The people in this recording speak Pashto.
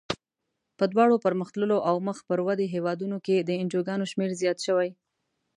په دواړو پرمختللو او مخ پر ودې هېوادونو کې د انجوګانو شمیر زیات شوی.